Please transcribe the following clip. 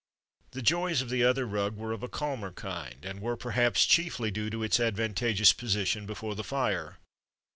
The joys of the other rug were of a calmer kind, and were, perhaps, chiefly due to its advantageous position before the fire.